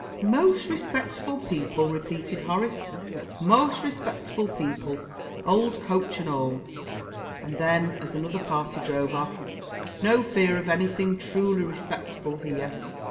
"Most respectable people!" repeated Horace "most respectable people, old coach and all." And then, as another party drove off "No fear of any thing truly respectable here."